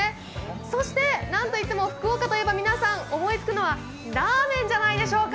そして何といっても福岡といえば、皆さん、思いつくのはラーメンじゃないでしょうか？